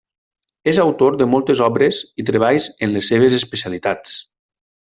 És autor de moltes obres i treballs en les seves especialitats.